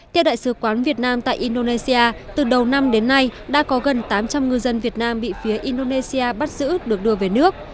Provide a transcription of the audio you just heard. theo đại sứ quán việt nam tại indonesia từ đầu năm đến nay đã có gần tám trăm linh ngư dân việt nam bị phía indonesia bắt giữ được đưa về nước